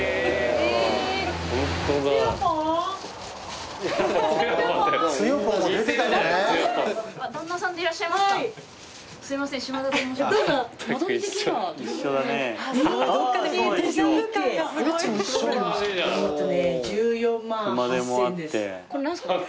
えっとね１４万８，０００円です。